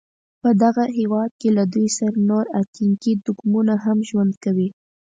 په دغه هېواد کې له دوی سره نور اتنیکي توکمونه هم ژوند کوي.